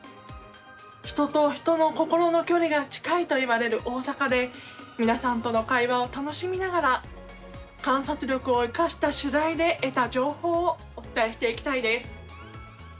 人と人の心の距離が近いといわれる大阪で皆さんとの会話を楽しみながら観察力を生かした取材で得た情報をお伝えしていきたいです。